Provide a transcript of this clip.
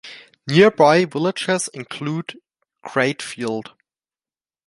Nearby villages include Cratfield.